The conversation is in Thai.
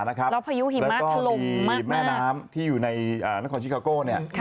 แล้วก็มีแม่น้ำที่อยู่ในนักฐานชิคาโก้